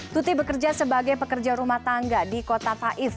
tuti bekerja sebagai pekerja rumah tangga di kota taif